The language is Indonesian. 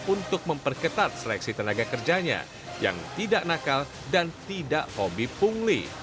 untuk memperketat seleksi tenaga kerjanya yang tidak nakal dan tidak hobi pungli